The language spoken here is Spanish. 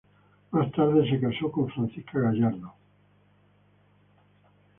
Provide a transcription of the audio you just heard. Más tarde casó con Francisca Gallardo.